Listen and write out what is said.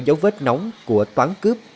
dấu vết nóng của toán cướp